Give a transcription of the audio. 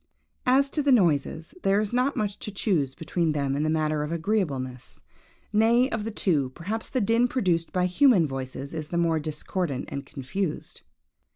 As to the noises, there is not much to choose between them in the matter of agreeableness. Nay, of the two, perhaps the din produced by human voices is the more discordant and confused.